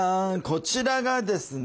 こちらがですね